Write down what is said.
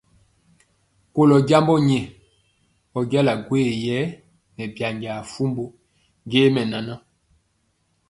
Kolɔ jambɔ nyɛ, ɔ jala gwoye yɛ nɛ byanjaa fumbu je mɛnana.